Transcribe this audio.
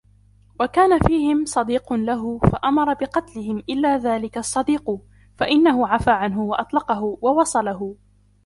وَكَانَ فِيهِمْ صَدِيقٌ لَهُ فَأَمَرَ بِقَتْلِهِمْ إلَّا ذَلِكَ الصَّدِيقُ فَإِنَّهُ عَفَا عَنْهُ وَأَطْلَقَهُ وَوَصَلَهُ